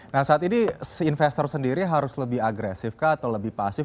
nah saat ini si investor sendiri harus lebih agresif kah atau lebih pasif